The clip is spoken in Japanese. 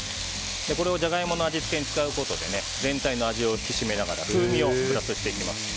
これをジャガイモの味付けに使うことで全体の味を引き締めながら風味をプラスしていきます。